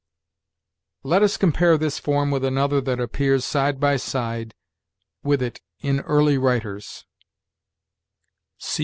"Let us compare this form with another that appears side by side with it in early writers.